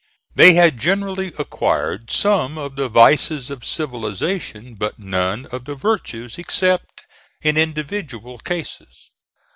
They had generally acquired some of the vices of civilization, but none of the virtues, except in individual cases.